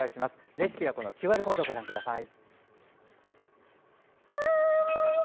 レシピは、ＱＲコードご覧ください。